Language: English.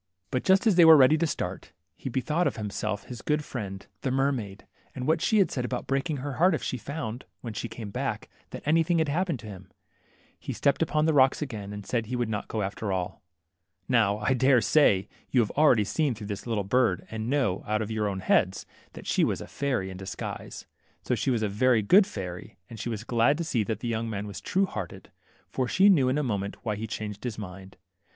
But just as they were ready to start, he bethought himself of his good friend, the n;Lermaid, and what she had said about breaking her heart if she found, when she came back, that anything had happened to him. He stepped upon the rocks again, and said he could not go after aU. Now, I dare say, you have already seen through the little blue bird, and know, out of your own heads, that she was a fairy in disguise. She was a very good fairy, and she was glad to see that the young man was true hearted, for she knew in a moment why ' he changed his mind.